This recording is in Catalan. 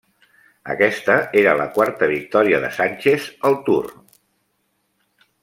Aquesta era la quarta victòria de Sánchez al Tour.